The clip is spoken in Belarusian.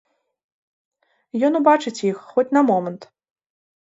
Ён убачыць іх, хоць на момант.